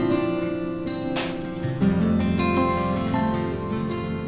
ya kita beres beres dulu